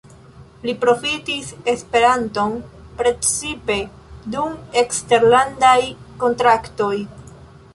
Li profitis Esperanton precipe dum eksterlandaj kontaktoj.